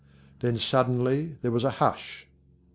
Then suddenly there was a hush.